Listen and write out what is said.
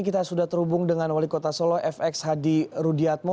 kita sudah terhubung dengan wali kota solo fx hadi rudiatmo